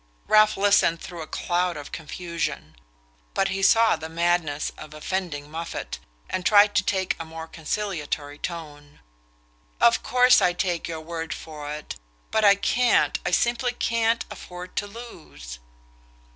Ralph listened through a cloud of confusion; but he saw the madness of offending Moffatt, and tried to take a more conciliatory tone. "Of course I take your word for it. But I can't I simply can't afford to lose..."